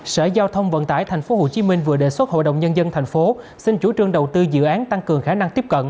sở giao thông vận tải tp hcm vừa đề xuất hội đồng nhân dân tp hcm xin chủ trương đầu tư dự án tăng cường khả năng tiếp cận